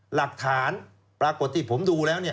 หลักฐานปรากฏที่ผมดูแล้ว